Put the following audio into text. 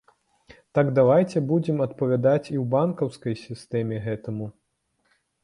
Так давайце будзем адпавядаць і ў банкаўскай сістэме гэтаму.